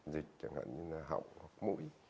dịch chẳng hạn như là họng hoặc mũi